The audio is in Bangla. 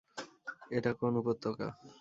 এটা কোন উপত্যকা?